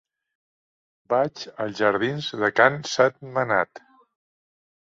Vaig als jardins de Can Sentmenat.